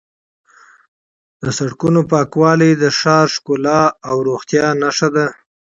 د سړکونو پاکوالی د ښار ښکلا او روغتیا نښه ده.